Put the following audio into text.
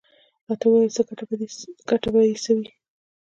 _راته ووايه چې ګټه به يې څه وي؟